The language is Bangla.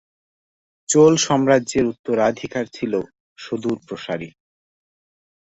চোল সাম্রাজ্যের উত্তরাধিকার ছিল সুদূরপ্রসারী।